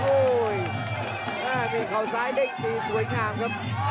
โอ้ยน่าจะมีเขาซ้ายเด้งดีสวยงามครับ